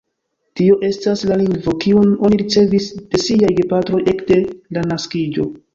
Tio estas la lingvo, kiun oni ricevis de siaj gepatroj ekde la naskiĝo.